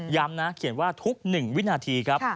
นะเขียนว่าทุก๑วินาทีครับ